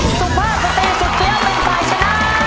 สุภาพสเตสุเกี้ยวเป็นฝ่ายชนะ